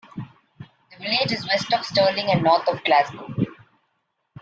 The village is west of Stirling and north of Glasgow.